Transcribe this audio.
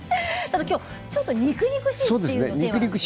今日ちょっと肉々しいというのがね。